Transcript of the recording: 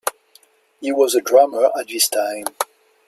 He was a drummer at this time.